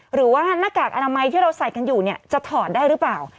หน้ากากอนามัยที่เราใส่กันอยู่เนี่ยจะถอดได้หรือเปล่า